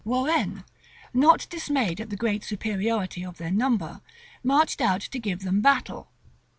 Warrenne, not dismayed at the great superiority of their number, marched out to give them battle.